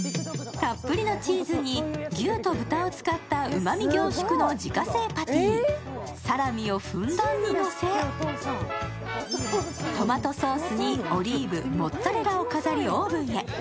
たっぷりのチーズに牛と豚を使ったうまみ凝縮の自家製パティ、サラミをふんだんにのせ、トマトソースにオリーブ、モッツァレラを飾り、オーブンへ。